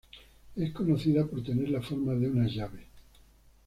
Es conocida por tener la forma de una llave.